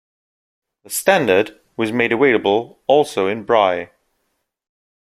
The standard was made available also in Braille.